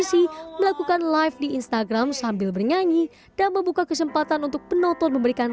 dc melakukan live di instagram sambil bernyanyi dan membuka kesempatan untuk penonton memberikan